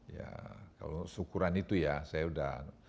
ya kalau syukuran itu ya saya sudah